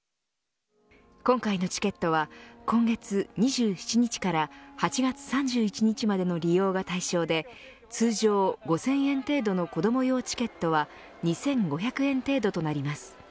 今回のチケットは今月２７日から８月３１日までの利用が対象で通常５０００円程度の子ども用チケットは２５００円程度となります。